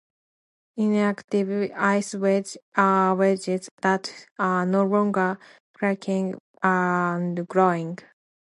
Inactive ice wedges are wedges that are no longer cracking and growing.